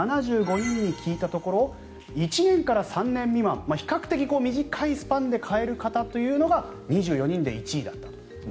７５人に聞いたところ１年から３年未満比較的短いスパンで替える方というのが２４人で１位だった。